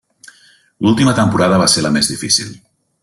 L'última temporada va ser la més difícil.